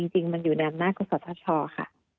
จริงมันอยู่ในอำนาจของสทชค่ะ